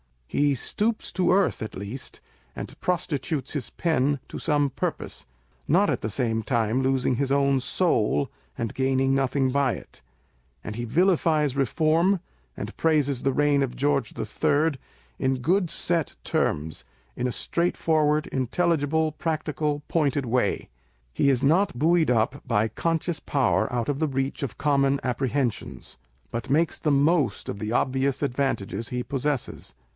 He " stoops to earth" at least, and prostitutes his pen to some purpose (not at the same time losing his own soul, and gaining nothing by it) and he vilifies Reform, and praises the reign of George III. in good set terms, in a straightforward, intelligible, practical, pointed way. He is not buoyed up by conscious power out of the reach of common apprehensions, but makes the most of the obvious advantages he possesses.